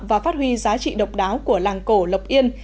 và phát huy giá trị độc đáo của làng cổ lộc yên